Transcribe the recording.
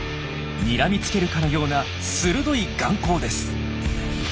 にらみつけるかのような鋭い眼光です。